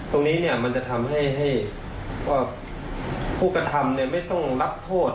ตรงนี้เนี่ยมันจะทำให้ว่าผู้กระทำไม่ต้องรับโทษ